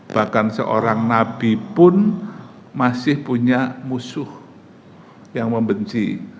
bahkan seorang nabi pun masih punya musuh yang membenci